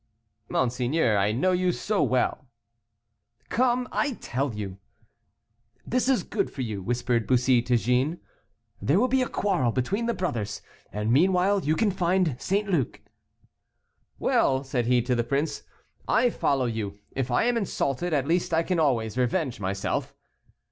"Monseigneur, I know you so well." "Come, I tell you." "This is good for you," whispered Bussy to Jeanne. "There will be a quarrel between the brothers, and meanwhile you can find St. Luc." "Well," said he to the prince, "I follow you; if I am insulted, at least I can always revenge myself."